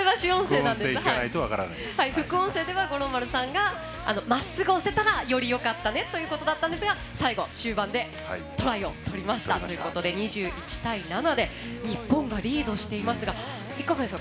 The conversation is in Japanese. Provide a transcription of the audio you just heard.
副音声では五郎丸さんがまっすぐ押せたらよかったねということでしたが、最後トライを取ったということで２１対７で日本がリードしていますがいかがですか？